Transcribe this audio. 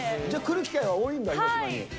じゃあ来る機会は多いんだ、はい。